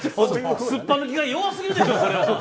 すっぱ抜きが弱すぎるでしょ！